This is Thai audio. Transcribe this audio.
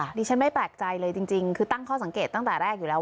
ดิฉันไม่แปลกใจเลยจริงคือตั้งข้อสังเกตตั้งแต่แรกอยู่แล้ว